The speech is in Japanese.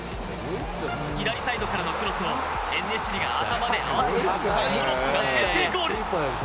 左サイドからのクロスをエンネシリが頭で合わせモロッコが先制ゴール。